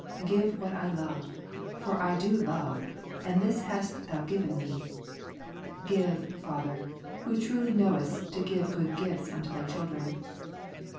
Give what I love; for I do love, and this hast Thou given me. Mat. 7, Give, Father, Who truly knowest to give good gifts unto Thy children.